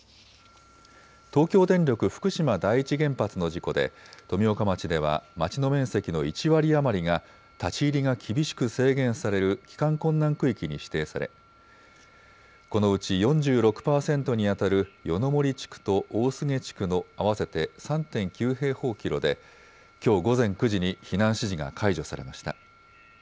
東京電力福島第一原発の事故で富岡町では町の面積の１割余りが立ち入りが厳しく制限される帰還困難区域に指定されこのうち４６％にあたる夜の森地区と大菅地区の合わせて３．９平方キロできょう午前９時に避難指示が解除されました。